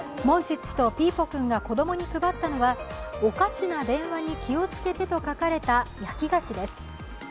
モンチッチとピーポくんが子供に配ったのはおかしな電話に気をつけてと書かれた焼き菓子です。